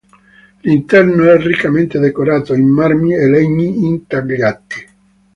L'interno è riccamente decorato in marmi e legni intagliati.